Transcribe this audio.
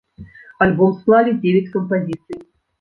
Альбом склалі дзевяць кампазіцый.